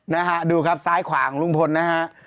นะฮะดูครับซ้ายขวาของลุงพลนะฮะ